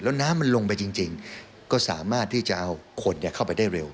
แล้วน้ำมันลงไปจริงก็สามารถที่จะเอาคนเข้าไปได้เร็ว